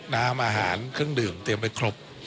น้ำอาหารเครื่องดื่มเตรียมไว้ครบ